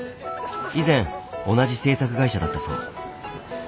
以前同じ制作会社だったそう。